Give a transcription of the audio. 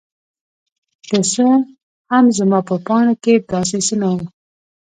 که څه هم زما په پاڼو کې داسې څه نه وو.